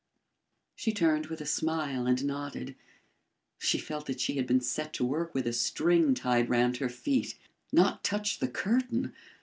She turned with a smile and nodded. She felt that she had been set to work with a string tied round her feet. Not touch the curtain!